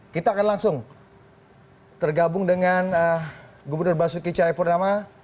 kita akan langsung tergabung dengan gubernur basuki cahayapurnama